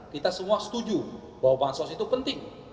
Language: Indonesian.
kita semua setuju bahwa bansos itu penting